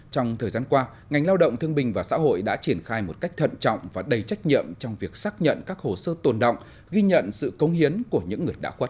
trong thời gian qua ngành lao động thương bình và xã hội đã triển khai một cách thận trọng và đầy trách nhiệm trong việc xác nhận các hồ sơ tồn động ghi nhận sự công hiến của những người đã khuất